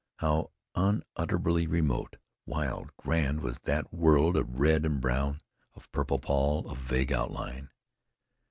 How unutterably remote, wild, grand was that world of red and brown, of purple pall, of vague outline!